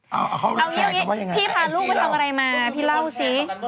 เอาอย่างนี้พี่พาลูกไปทำอะไรมาพี่เล่าสิ